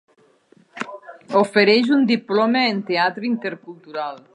Ofereix un diploma en teatre intercultural.